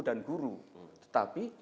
dan guru tetapi